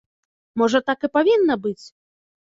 Можа, так і павінна быць?